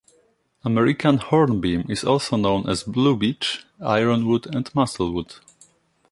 American hornbeam is also known as blue-beech, ironwood, and musclewood.